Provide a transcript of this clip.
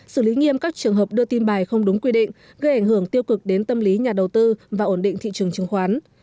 xử lý nghiêm các trường hợp đưa tin bài không đúng quy định gây ảnh hưởng tiêu cực đến tâm lý nhà đầu tư và ổn định thị trường chứng khoán